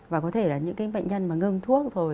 và có thể là những cái bệnh nhân mà ngưng thuốc rồi